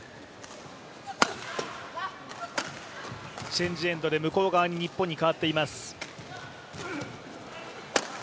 チェンジエンドで向こう側が日本に変わっています。